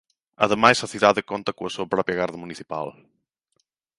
Ademais a cidade conta coa súa propia garda municipal.